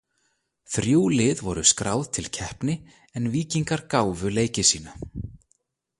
Þrjú lið voru skráð til keppni en Víkingar gáfu leiki sína.